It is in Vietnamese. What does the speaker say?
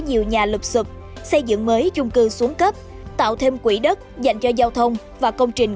nhiều nhà lụp sụp xây dựng mới chung cư xuống cấp tạo thêm quỹ đất dành cho giao thông và công trình